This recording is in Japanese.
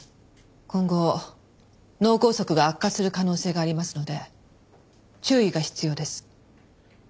今後脳梗塞が悪化する可能性がありますので注意が必要です。